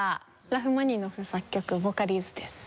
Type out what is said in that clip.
ラフマニノフ作曲『ヴォカリーズ』です。